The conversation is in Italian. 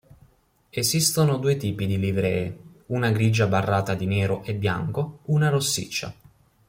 Esistono due tipi di livree: una grigia barrata di nero e bianco, una rossiccia.